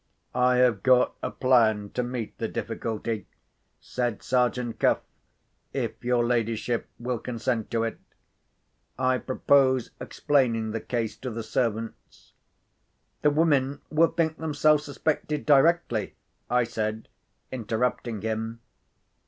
"I have got a plan to meet the difficulty," said Sergeant Cuff, "if your ladyship will consent to it. I propose explaining the case to the servants." "The women will think themselves suspected directly," I said, interrupting him.